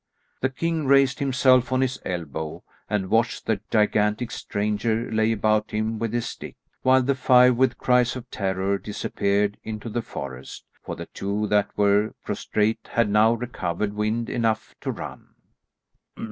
The king raised himself on his elbow and watched the gigantic stranger lay about him with his stick, while the five, with cries of terror, disappeared into the forest, for the two that were prostrate had now recovered wind enough to run.